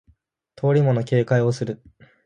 通り魔の警戒をする